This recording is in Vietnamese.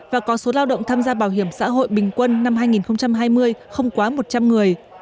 và có số lao động tham gia bảo hiểm xã hội bình quân năm hai nghìn hai mươi không quá một trăm linh người